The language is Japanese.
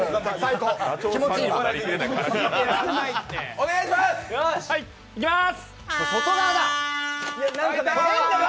お願いします。